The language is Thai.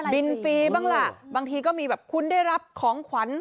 ฟรีบ้างล่ะบางทีก็มีแบบคุณได้รับของขวัญ